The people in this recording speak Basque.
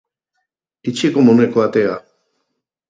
Itxi komuneko atea.